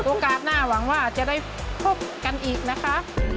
โอกาสหน้าหวังว่าจะได้พบกันอีกนะคะ